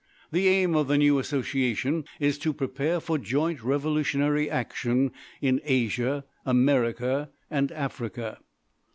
The aim of the new association is to prepare for joint revolutionary action in Asia, America, and Africa.